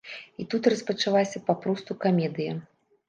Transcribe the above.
І тут распачалася папросту камедыя.